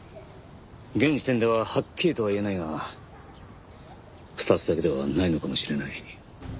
現時点でははっきりとは言えないが２つだけではないのかもしれない。